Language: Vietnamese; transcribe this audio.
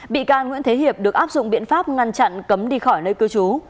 bị can nguyễn thế hiệp được áp dụng biện pháp ngăn chặn cấm đi khỏi nơi cư trú